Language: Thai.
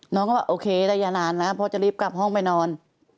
น้องก็บอกโอเคได้อย่านานนะพ่อจะรีบกลับห้องไปนอน